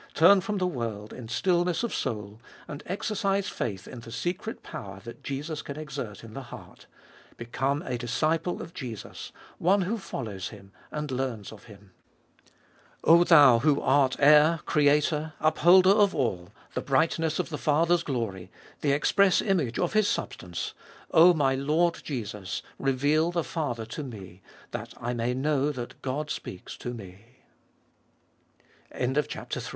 Turn from the world in stillness of soul, and exercise faith In the secret power that Jesus can exert in the heart. Become a disciple of Jesus, one who follows Him and learns of Him. 3. 0 Thou who art Heir, Creator, Upholder of all, the brightness of the Father's glory, the express image of His substance,— 0 my Lord Jesus, reveal the Father to me, that I may know that God